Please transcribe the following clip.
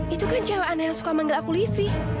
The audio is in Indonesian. itu kan cewek anak yang suka manggil aku livi